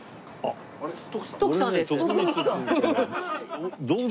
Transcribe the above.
徳さんです。